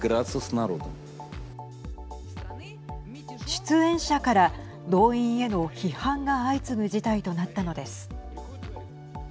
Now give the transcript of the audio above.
出演者から動員への批判が相次ぐ事態となったのです。